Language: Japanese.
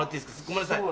ごめんなさい。